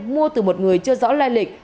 mua từ một người chưa rõ lai lịch